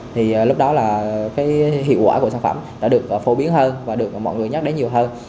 thì lúc đó là cái hiệu quả của sản phẩm đã được phổ biến hơn và được mọi người nhắc đến nhiều hơn